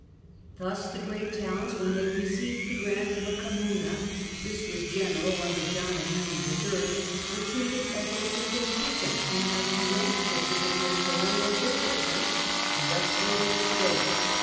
Thus the great towns, when they received the grant of a "Com muna" (this was general under John and Henry III.), were treated as a single person, and might deal, just as a great baron or bishop might, directly with the state.